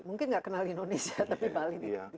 mungkin nggak kenal indonesia tapi bali